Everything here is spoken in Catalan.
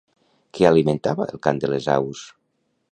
Què alimentava el cant de les aus?